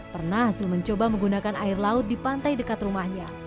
pernah mencoba menggunakan air laut di pantai dekat rumahnya